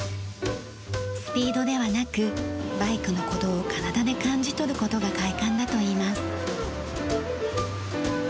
スピードではなくバイクの鼓動を体で感じ取る事が快感だといいます。